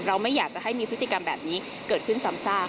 ไม่อยากจะให้มีพฤติกรรมแบบนี้เกิดขึ้นซ้ำซาก